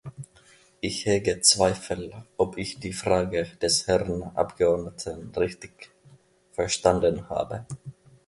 Ich hege Zweifel, ob ich die Frage des Herrn Abgeordneten richtig verstanden habe.